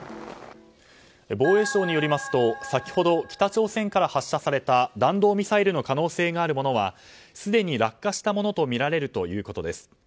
防衛省によりますと先ほど北朝鮮から発射された弾道ミサイルの可能性があるものはすでに落下したものとみられるということです。